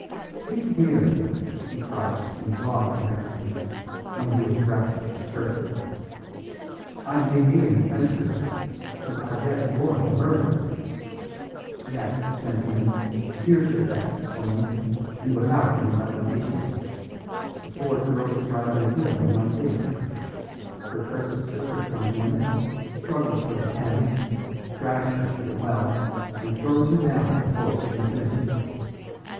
"See here!" he cried in broad American, when he was breathless with cursing, "I may be an adventurer, but I guess you're a murderess. Yes, gentlemen, here's your death explained, and without any levitation. The poor girl is writing a will in my favour; her cursed sister comes in, struggles for the pen, drags her to the well, and throws her down before she can finish it.